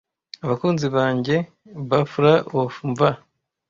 Abakunzi bange, baffler of mva.